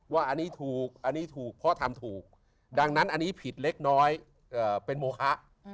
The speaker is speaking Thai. คุณพ่อคุณแม่ขอร้องให้เรียบร้อยไหมคะ